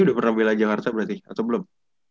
udah pernah bela jakarta berarti atau belum